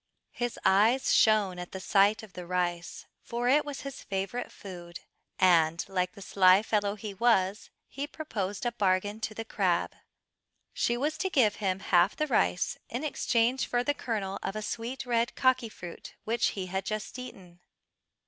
His eyes shone at the sight of the rice, for it was his favourite food, and like the sly fellow he was, he proposed a bargain to the crab. She was to give him half the rice in exchange for the kernel of a sweet red kaki fruit which he had just eaten.